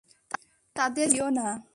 তাদের যেতে দিও না।